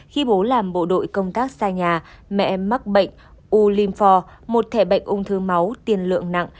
khi bố làm bộ đội công tác xa nhà mẹ mắc bệnh u limpho một thể bệnh ung thư máu tiền lượng nặng